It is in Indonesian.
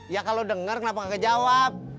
ya kalau denger kenapa gak kejawab